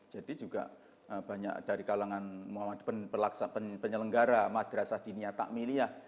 jadi juga banyak dari kalangan penyelenggara madrasah dinia takmil ya